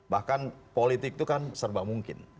bahkan politik itu kan serba mungkin